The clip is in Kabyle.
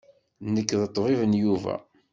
Nekk d ṭṭbib n Yuba.